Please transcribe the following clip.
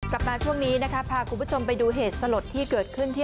กลับมาช่วงนี้นะคะพาคุณผู้ชมไปดูเหตุสลดที่เกิดขึ้นที่